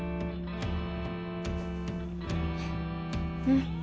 うん。